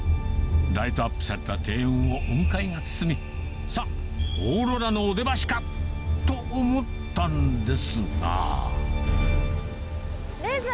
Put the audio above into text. ライトアップされた庭園を雲海が包み、さあ、オーロラのお出ましか？と思ったんですが。